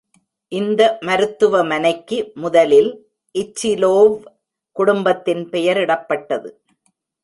இந்த மருத்துவமனைக்கு முதலில் இச்சிலோவ் குடும்பத்தின் பெயரிடப்பட்டது.